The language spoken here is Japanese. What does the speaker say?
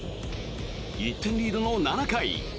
１点リードの７回。